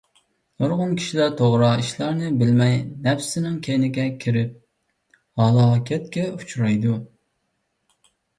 نۇرغۇن كىشىلەر توغرا ئىشلارنى بىلمەي نەپسىنىڭ كەينىگە كىرىپ، ھالاكەتكە ئۇچرايدۇ.